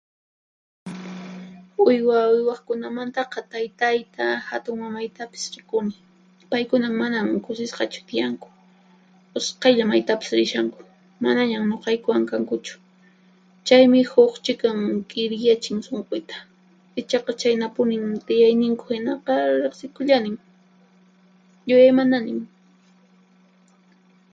Uywa uywaqkunamantaqa taytayta hatunmamaytapis rikuni, paykunan manan kusisqachu tiyanku, usqhaylla maytapis rishanku, manañan nuqaykuwan kankuchu. Chaymi huq chikan k'iriyachin sunquyta, ichaqa chhaynapunin tiyayninku hinaqa riqsikullanin, yuyaymananin.